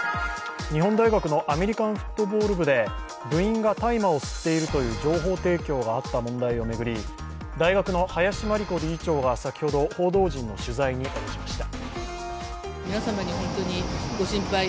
日本大学のアメリカンフットボール部で部員が大麻を吸っているという情報提供があった問題を巡り、大学の林真理子理事長が先ほど報道陣の取材に応じました。